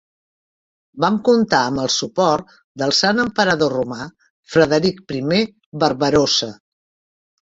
Van comptar amb el suport del Sant emperador romà Frederic I Barbarossa.